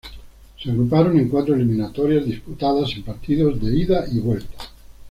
Se agruparon en cuatro eliminatorias disputadas en partidos de ida y vuelta.